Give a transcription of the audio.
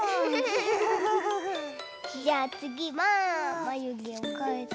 じゃあつぎはまゆげをかえて。